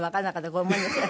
ごめんなさい。